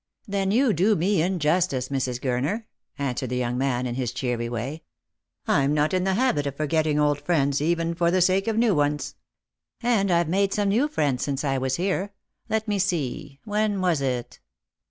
"Then you did me injustice, Mrs. Gurner," answered the young man in his cheery way ;" I'm not in the habit of for getting old friends, even for the sake of new ones. And I've made some new friends since I was here. Let me see, when was it